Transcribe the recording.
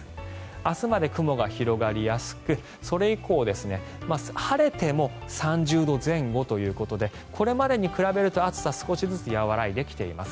明日まで雲が広がりやすくそれ以降、晴れても３０度前後ということでこれまでに比べると、暑さは少しずつ和らいできています。